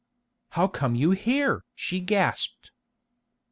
"How come you here?" she gasped.